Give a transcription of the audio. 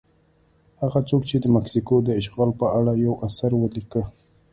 هغه څوک چې د مکسیکو د اشغال په اړه یو اثر ولیکه.